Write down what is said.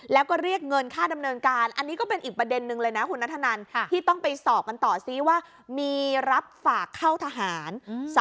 แล้วก็เรียกเงินค่านำเนินการ